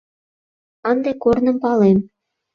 Ынде корным палем.